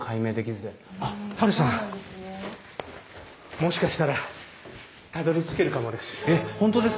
もしかしたらたどりつけるかもです。